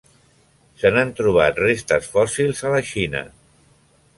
Se n'han trobat restes fòssils a la Xina.